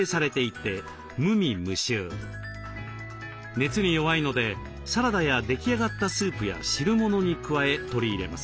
熱に弱いのでサラダや出来上がったスープや汁物に加え取り入れます。